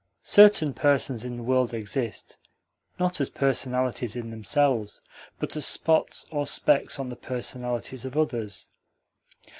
Certain persons in the world exist, not as personalities in themselves, but as spots or specks on the personalities of others.